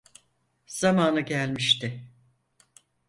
Zamanı gelmişti.